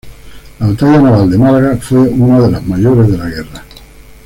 La batalla naval de Málaga fue una de las mayores de la guerra.